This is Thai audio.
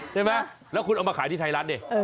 ใช่ไหมแล้วคุณเอามาขายที่ไทยร้านเนี่ย